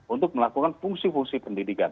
untuk melakukan fungsi fungsi pendidikan